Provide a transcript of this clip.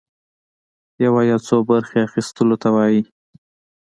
يوه يا څو برخي اخيستلو ته وايي.